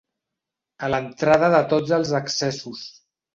A l'entrada de tots els accessos.